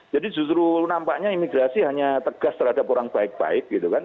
jadi justru nampaknya imigrasi hanya tegas terhadap orang baik baik gitu kan